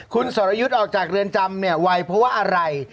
คุณสรยุทธ์ออกจากเรือนจำเนี่ยไวเพราะว่าอะไร